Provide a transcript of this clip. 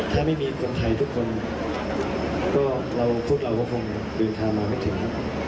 ถ้าไม่มีคนไทยทุกคนก็เราพวกเราก็คงเดินทางมาไม่ถึงครับ